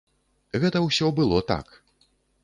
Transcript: Гэта ўсё было так.